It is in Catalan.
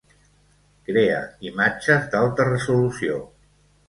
Crea imatges d'alta resolució.